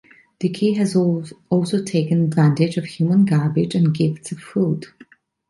The kea has also taken advantage of human garbage and "gifts" of food.